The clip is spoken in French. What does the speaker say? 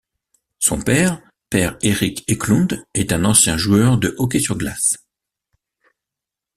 Son père Per-Erik Eklund est un ancien joueur de hockey sur glace.